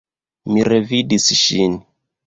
Mi revidis ŝin!